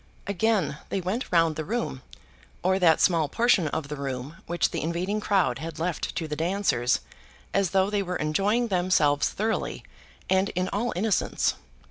Again they went round the room, or that small portion of the room which the invading crowd had left to the dancers, as though they were enjoying themselves thoroughly, and in all innocence.